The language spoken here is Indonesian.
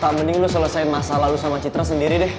tak mending lo selesain masalah lo sama citra sendiri deh